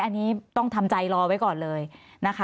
อันนี้ต้องทำใจรอไว้ก่อนเลยนะคะ